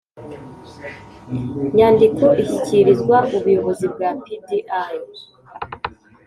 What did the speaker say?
nyandiko ishyikirizwa ubuyobozi bwa pdi